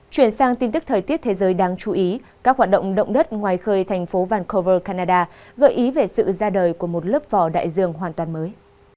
chuyển sang tin tức thời tiết thế giới đáng chú ý các hoạt động động đất ngoài khơi thành phố vancover canada gợi ý về sự ra đời của một lớp vỏ đại dương hoàn toàn mới